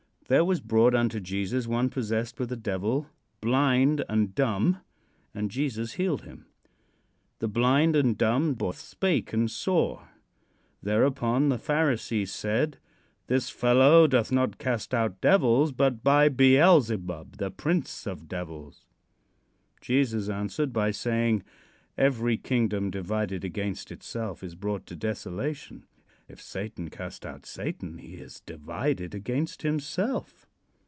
There was brought unto Jesus one possessed with a devil, blind and dumb, and Jesus healed him. The blind and dumb both spake and saw. Thereupon the Pharisees said: "This fellow doth not cast out devils but by Beelzebub, the prince of devils." Jesus answered by saying: "Every kingdom divided against itself is brought to desolation. If Satan cast out Satan, he is divided against himself."